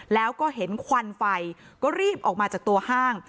แล้วก็เห็นควันไฟก็รีบออกมาจากตัวห้าง